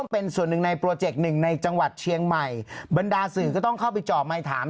ไม่ฉันไล่นังกลับไล่กลับ